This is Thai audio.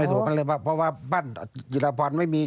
ไม่ถูกกันเลยเพราะว่าบ้านยิลาพรไม่มี